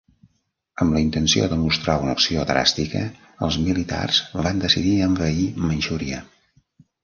Amb la intenció de mostrar una acció dràstica, els militars van decidir envair Manxúria.